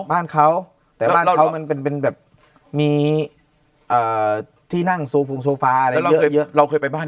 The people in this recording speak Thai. บ้านเขาแต่บ้านเขามันเป็นแบบมีที่นั่งโซฟาเราเคยไปบ้าน